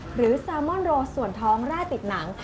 แซลมอนโรส่วนท้องแร่ติดหนัง